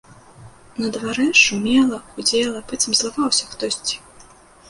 На дварэ шумела, гудзела, быццам злаваўся хтосьці.